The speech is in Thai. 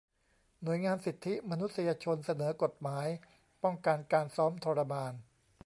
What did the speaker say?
หน่วยงานสิทธิมนุษยชน เสนอกฎหมายป้องกันการซ้อมทรมาน